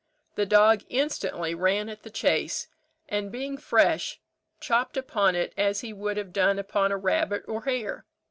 The dog instantly ran at the chase; and being fresh, chopped upon it as he would have done upon a rabbit or hare.